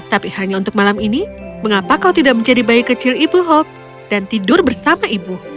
tapi hanya untuk malam ini mengapa kau tidak menjadi bayi kecil ibu hope dan tidur bersama ibu